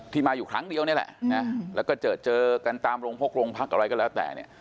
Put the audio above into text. มาอยู่ครั้งเดียวนี่แหละนะแล้วก็เจอเจอกันตามโรงพักโรงพักอะไรก็แล้วแต่เนี่ย